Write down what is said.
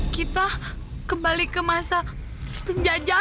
kita kembali ke masa penjajah